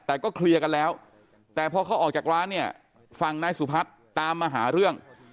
แต่ก็เคลียร์กันแล้วแต่พอเขาออกจากร้านเนี่ยฝั่งนายสุพัฒน์ตามมาหาเรื่อง